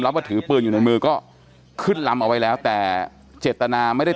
ว่าถือปืนอยู่ในมือก็ขึ้นลำเอาไว้แล้วแต่เจตนาไม่ได้